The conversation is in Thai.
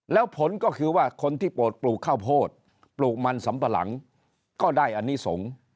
แล้วผลก็คือว่าคนที่โปรดปลูกข้าวโพดปลูกมันสำปะหลังก็ได้อันนี้สงฆ์